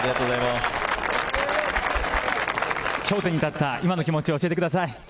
頂点に立った今の気持ちを教えてください。